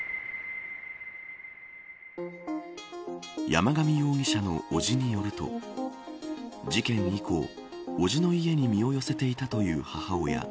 山上容疑者の伯父によると事件以降伯父の家に身を寄せていたという母親。